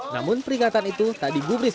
namun peringatan itu tak digubris